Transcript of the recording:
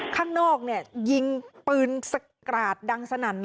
ข้างนอกยิงปืนสกราดดังสนัน